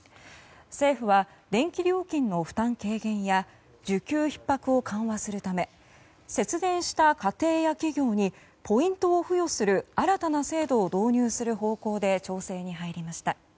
政府は電気料金の負担軽減や需給ひっ迫を緩和するため節電した家庭や企業にポイントを付与する新たな制度を導入する方向で調整に入りました。